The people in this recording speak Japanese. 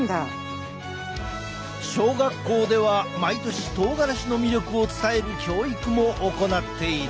小学校では毎年とうがらしの魅力を伝える教育も行っている。